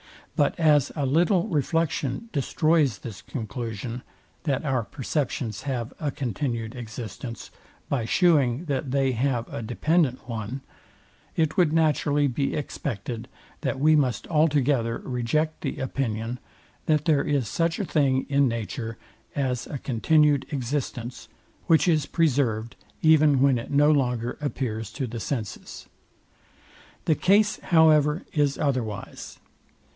But as a little reflection destroys this conclusion, that our perceptions have a continued existence, by shewing that they have a dependent one, it would naturally be expected, that we must altogether reject the opinion, that there is such a thing in nature as a continued existence, which is preserved even when it no longer appears to the senses. The case, however, is otherwise.